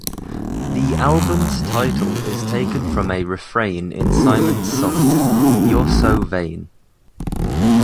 The album's title is taken from a refrain in Simon's song You're So Vain.